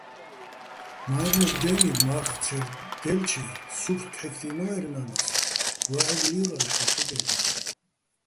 მაჲრნობ დე́ნი, მა́რხო̆ ცე́რ დაჲლ'ჩე სუფრ ქჵექდინო́ერ ნა́ნას, ვაჰ̦ოგო̆ ლი́ვრალო̆, ჰ̦ალო̆ ჰ̦ობ-აჲნო̆.